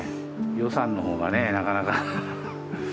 予算の方がねなかなか。